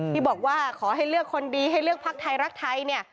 ที่บอกว่าขอให้เลือกคนดีให้เลือกพักไทยรักไทยเนี่ย